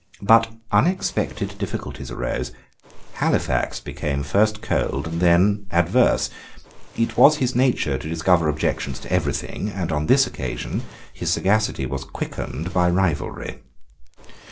But unexpected difficulties arose. Halifax became first cold and then adverse. It was his nature to discover objections to everything; and on this occasion his sagacity was quickened by rivalry.